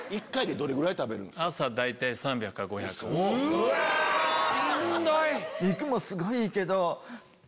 うわしんどい！